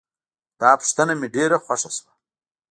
خو دا پوښتنه مې ډېره خوښه شوه.